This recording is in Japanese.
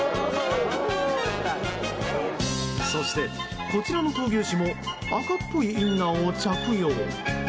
そして、こちらの闘牛士も赤っぽいインナーを着用。